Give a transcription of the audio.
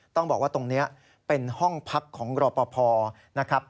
ต้องบอกว่าตรงนี้เป็นห้องพักของรอปภนะครับ